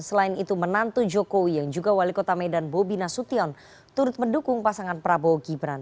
selain itu menantu jokowi yang juga wali kota medan bobi nasution turut mendukung pasangan prabowo gibran